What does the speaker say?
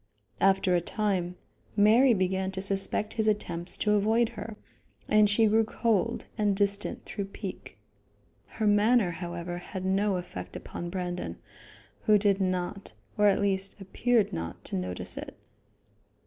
After a time, Mary began to suspect his attempts to avoid her, and she grew cold and distant through pique. Her manner, however, had no effect upon Brandon, who did not, or at least appeared not to notice it.